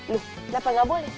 loh kenapa nggak boleh